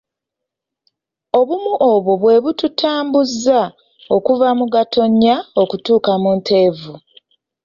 Obumu obwo bwe bututambuzza okuva mu Gatonnya okutuuka mu Ntenvu.